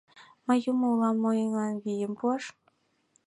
Мый юмо улам мо еҥлан вийым пуаш?